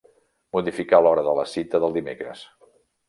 Modificar l'hora de la cita del dimecres.